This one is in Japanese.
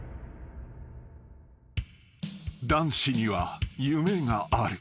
［男子には夢がある］